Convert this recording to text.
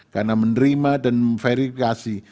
karena menerima dan verifikasi